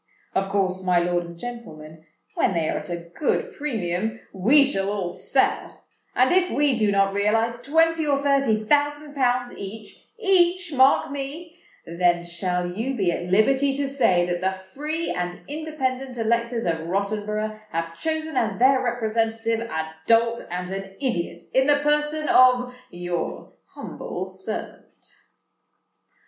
Of course, my lord and gentlemen, when they are at a good premium, we shall all sell; and if we do not realise twenty or thirty thousand pounds each—each, mark me—then shall you be at liberty to say that the free and independent electors of Rottenborough have chosen as their representative a dolt and an idiot in the person of your humble servant."